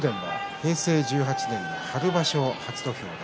平成１８年春場所初土俵。